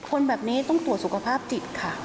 คนแบบนี้ต้องตรวจสุขภาพจิตค่ะ